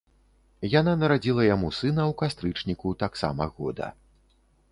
Яна нарадзіла яму сына ў кастрычніку таксама года.